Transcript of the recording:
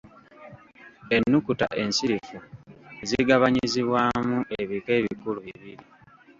Ennukuta ensirifu zigabanyizibwamu ebika ebikulu bibiri.